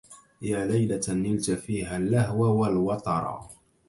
يا ليلة نلت فيها اللهو والوطرا